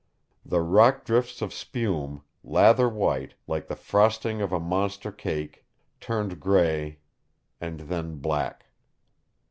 The rock drifts of spume, lather white, like the frosting of a monster cake, turned gray and then black.